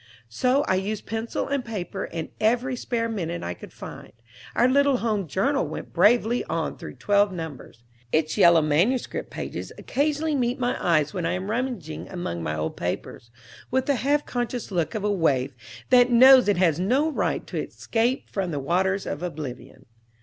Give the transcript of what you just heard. So I used pencil and paper in every spare minute I could find. Our little home journal went bravely on through twelve numbers. Its yellow manuscript pages occasionally meet my eyes when I am rummaging among my old papers, with the half conscious look of a waif that knows it has no right to its escape from the waters of oblivion.